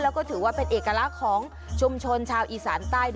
แล้วก็ถือว่าเป็นเอกลักษณ์ของชุมชนชาวอีสานใต้